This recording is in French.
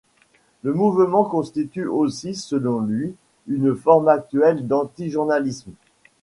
Le mouvement constitue aussi selon lui, une forme actuelle d'anti-journalisme.